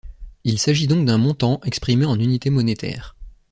Il s’agit donc d’un montant exprimé en unité monétaire.